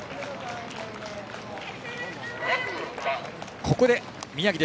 ここで宮城。